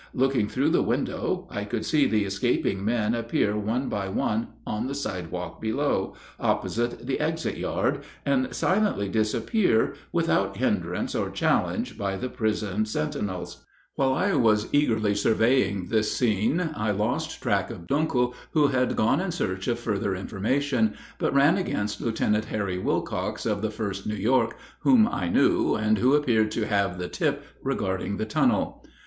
Looking through the window, I could see the escaping men appear one by one on the sidewalk below, opposite the exit yard, and silently disappear, without hindrance or challenge by the prison sentinels. While I was eagerly surveying this scene, I lost track of Duenkel, who had gone in search of further information, but ran against Lieutenant Harry Wilcox, of the 1st New York, whom I knew, and who appeared to have the "tip" regarding the tunnel.